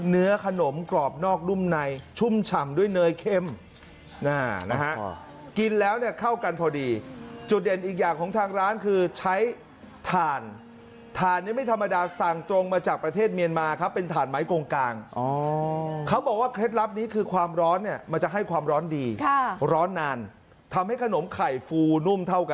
คือขนมไข่เตาทาน